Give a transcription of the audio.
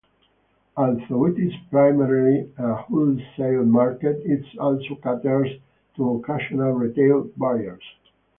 Although it is primarily a wholesale market, it also caters to occasional retail buyers.